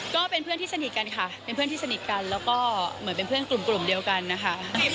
ก็เป็นเพื่อนที่สนิทกันค่ะเป็นเพื่อนที่สนิทกันแล้วก็เหมือนเป็นเพื่อนกลุ่มเดียวกันนะคะ